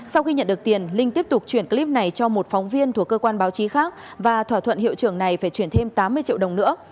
sau khi nhận được tiền linh tiếp tục chuyển clip này cho một phóng viên thuộc cơ quan báo chí khác và thỏa thuận hiệu trưởng này phải chuyển thêm tám mươi triệu đồng nữa